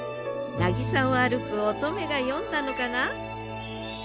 なぎさを歩く乙女が詠んだのかな？